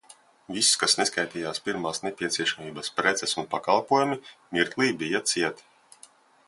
Viss, kas neskaitījās pirmās nepieciešamības preces un pakalpojumi, mirklī bija ciet!